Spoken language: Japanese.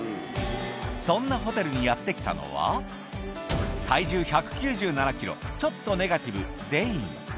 そんなホテルにやって来たのは、体重１９７キロ、ちょっとネガティブ、デイン。